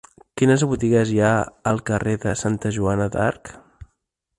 Quines botigues hi ha al carrer de Santa Joana d'Arc?